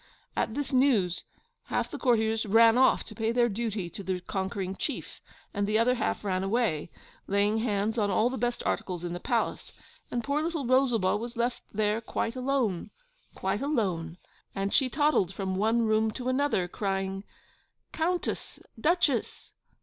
At this news, half the courtiers ran off to pay their duty to the conquering chief, and the other half ran away, laying hands on all the best articles in the palace; and poor little Rosalba was left there quite alone quite alone; and she toddled from one room to another, crying, 'Countess! Duchess!